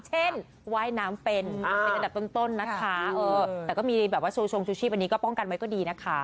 เช่นว่ายน้ำเป็นในกระดับต้นนะคะเออแต่ก็มีแบบว่าซูซงซูชิบอันนี้ก็ป้องกันไว้ก็ดีนะคะ